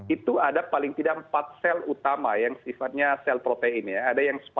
itu ada paling tidak empat sel utama yang sifatnya sel protein ya